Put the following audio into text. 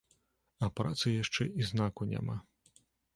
А працы яшчэ і знаку няма.